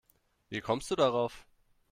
Wie kommst du darauf?